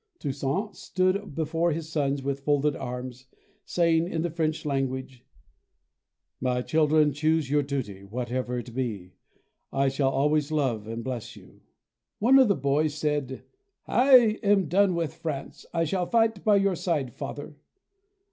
Toussaint stood before his sons with folded arms, saying in the French language, "My children, choose your duty; whatever it be, I shall always love and bless you". One of the boys said, "I am done with France. I shall fight by your side, Father."